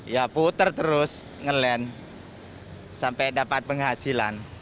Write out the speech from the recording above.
ya puter terus ngelen sampai dapat penghasilan